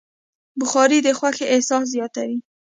بخاري د خوښۍ احساس زیاتوي.